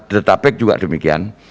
dertabek juga demikian